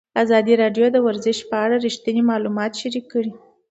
ازادي راډیو د ورزش په اړه رښتیني معلومات شریک کړي.